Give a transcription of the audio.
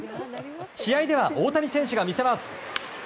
試合では、大谷選手が魅せます。